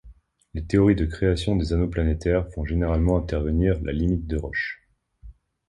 Les théories de création des anneaux planétaires font généralement intervenir la limite de Roche.